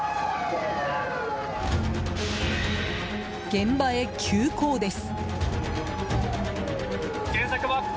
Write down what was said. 現場へ急行です！